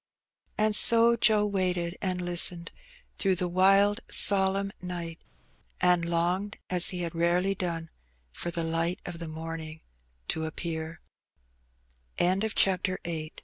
And so Joe waited and Mstened through the wild solemn night, and longed as he had rarely done for the light of the morning to appear. \ CHAPTER IX. TEHPTBD.